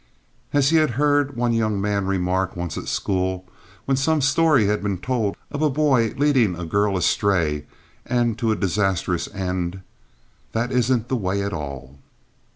As he had heard one young man remark once at school, when some story had been told of a boy leading a girl astray and to a disastrous end, "That isn't the way at all."